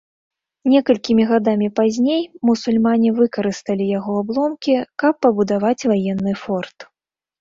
Некалькімі гадамі пазней мусульмане выкарысталі яго абломкі, каб пабудаваць ваенны форт.